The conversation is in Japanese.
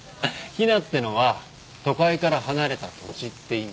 「鄙」ってのは都会から離れた土地って意味。